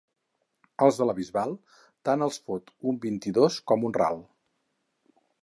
Als de la Bisbal, tant els fot un vint-i-dos com un ral.